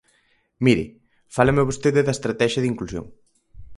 Mire, fálame vostede da estratexia de inclusión.